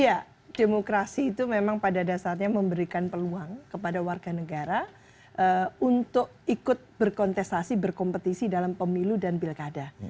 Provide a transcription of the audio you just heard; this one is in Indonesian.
ya demokrasi itu memang pada dasarnya memberikan peluang kepada warga negara untuk ikut berkontestasi berkompetisi dalam pemilu dan pilkada